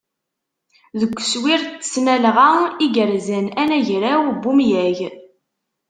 Deg uswir n tesnalɣa i yerzan anagraw n umyag.